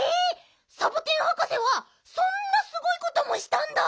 サボテンはかせはそんなすごいこともしたんだ。